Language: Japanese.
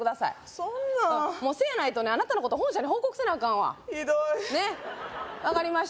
そんなせやないとねあなたのこと本社に報告せなアカンわひどいねっ分かりました？